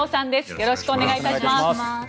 よろしくお願いします。